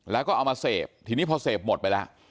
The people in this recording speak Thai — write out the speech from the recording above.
แล้วก็เอามาเสพทีนี้พอเสพหมดไปแล้ว